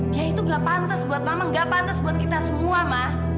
dia itu gak pantas buat mama gak pantas buat kita semua mah